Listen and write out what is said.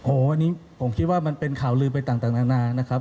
โอ้โหอันนี้ผมคิดว่ามันเป็นข่าวลืมไปต่างนานานะครับ